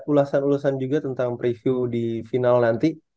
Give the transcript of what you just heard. ulasan ulasan juga tentang preview di final nanti